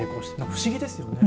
不思議ですね。